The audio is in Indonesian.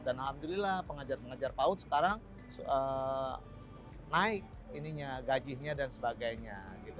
dan alhamdulillah pengajar pengajar paut sekarang naik gajinya dan sebagainya